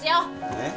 えっ？